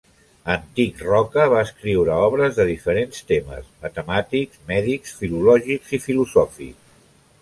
Antic Roca va escriure obres de diferents temes: matemàtics, mèdics, filològics i filosòfics.